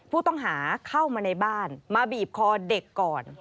ผู้ต้องหาเข้ามาในบ้านมาบีบคอเด็กก่อน